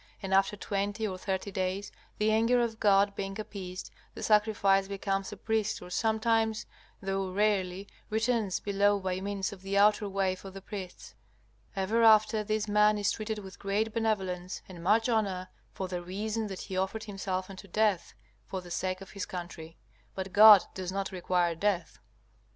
And after twenty or thirty days, the anger of God being appeased, the sacrifice becomes a priest, or sometimes, though rarely, returns below by means of the outer way for the priests. Ever after, this man is treated with great benevolence and much honor, for the reason that he offered himself unto death for the sake of his country. But God does not require death.